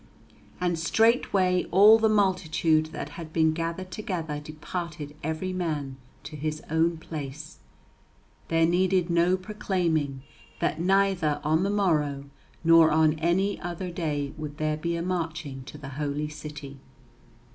And straightway all the multitude that had been gathered together departed every man to his own place. There needed no proclaiming that neither on the morrow nor on any other day would there be a marching to the Holy City.